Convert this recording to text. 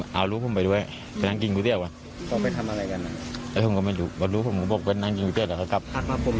หรือไม่ก็ทางหนูเมียเขาจับได้อะไรอย่างนี้บ้าง